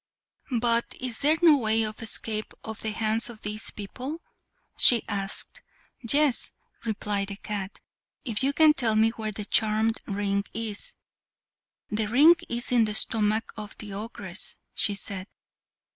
"But is there no way of escape from the hands of these people?" she asked. "Yes," replied the cat, "if you can tell me where the charmed ring is." "The ring is in the stomach of the ogress," she said.